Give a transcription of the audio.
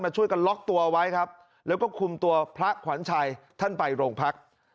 ช่วยกันล็อกตัวไว้ครับแล้วก็คุมตัวพระขวัญชัยท่านไปโรงพัก